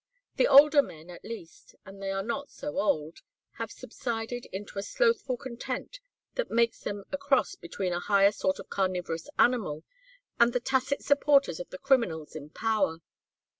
The older men at least and they are not so old have subsided into a slothful content that makes them a cross between a higher sort of carnivorous animal and the tacit supporters of the criminals in power.